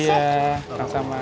iya terima kasih sama